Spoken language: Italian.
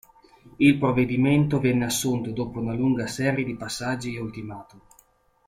Il provvedimento venne assunto dopo una lunga serie di passaggi e ultimatum.